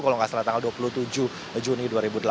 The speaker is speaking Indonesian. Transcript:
kalau nggak salah tanggal dua puluh tujuh juni dua ribu delapan belas